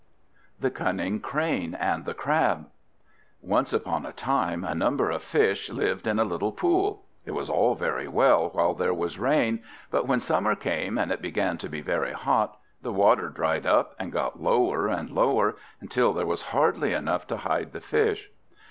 THE CUNNING CRANE AND THE CRAB Once upon a time a number of fish lived in a little pool. It was all very well while there was rain; but when summer came, and it began to be very hot, the water dried up and got lower and lower, until there was hardly enough to hide the fish.